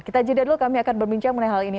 kita jeda dulu kami akan berbincang mengenai hal ini